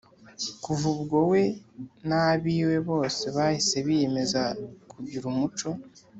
kuva ubwo we n’ab’iwe bose bahise biyemeza kugira umuco